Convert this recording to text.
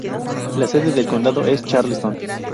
La sede del condado es Charleston.